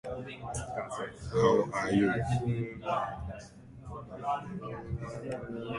The leaves are puberulous and measure up to long.